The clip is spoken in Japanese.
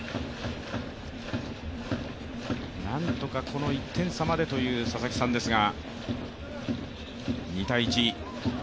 なんとかこの１点差までという佐々木さんですが、２−１。